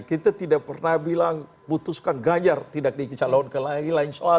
kita tidak pernah bilang butuhkan ganjar tidak dicalon ke lain soal